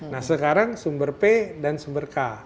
nah sekarang sumber p dan sumber k